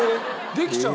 できちゃう。